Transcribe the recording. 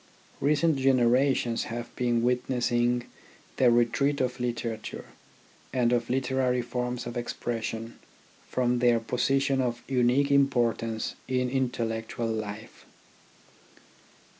Recent generations have been witnessing the retreat of literature, and of literary forms of expression, from their position of unique importance in intellectual life.